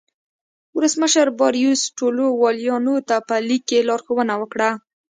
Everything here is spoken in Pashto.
ولسمشر باریوس ټولو والیانو ته په لیک کې لارښوونه وکړه.